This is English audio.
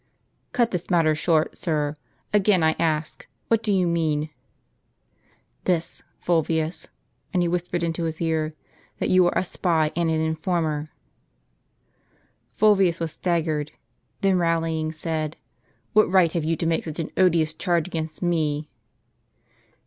"Cut this matter short, sir. Again I ask, what do you mean ?" "This, Fulvius," and he whispered into his ear, "that you are a sj^y and an informer." Fulvius was staggered; then rallying, said, "What right have you to make such an odious charge against me